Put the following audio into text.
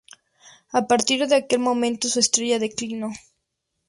A partir de aquel momento su estrella declinó.